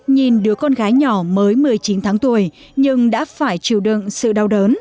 nhìn đứa con gái nhỏ mới một mươi chín tháng tuổi nhưng đã phải chịu đựng sự đau đớn